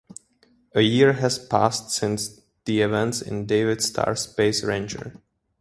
A year has passed since the events in "David Starr, Space Ranger".